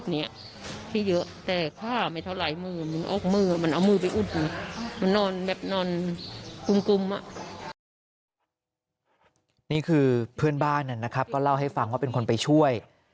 นี่คือเพื่อนบ้านนะครับก็เล่าให้ฟังว่าเป็นคนไปช่วย